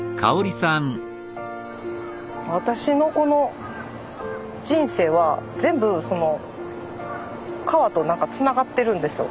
私のこの人生は全部川と何かつながってるんですよ。